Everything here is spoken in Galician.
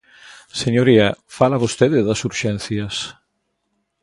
Señoría, fala vostede das urxencias.